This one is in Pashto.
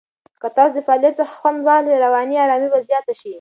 که تاسو د فعالیت څخه خوند واخلئ، رواني آرامۍ به زیاته شي.